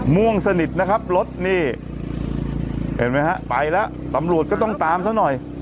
ม่วงสนิทนะครับรถนี่เห็นไหมฮะไปแล้วตำรวจก็ต้องตามซะหน่อย